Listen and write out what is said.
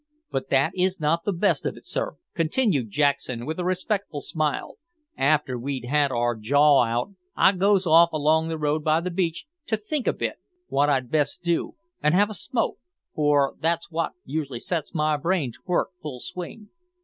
"But that is not the best of it, sir," continued Jackson, with a respectful smile, "after we'd had our jaw out I goes off along the road by the beach to think a bit what I'd best do, an' have a smoke for that's wot usually sets my brain to work full swing.